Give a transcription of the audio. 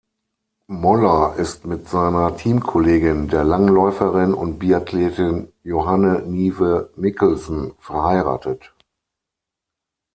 Møller ist mit seiner Teamkollegin, der Langläuferin und Biathletin Johanne Nive Mikkelsen, verheiratet.